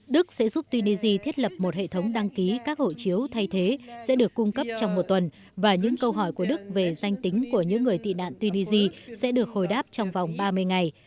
đức sẽ giúp tunisia thiết lập một hệ thống đăng ký các hộ chiếu thay thế sẽ được cung cấp trong một tuần và những câu hỏi của đức về danh tính của những người tị nạn tunisia sẽ được hồi đáp trong vòng ba mươi ngày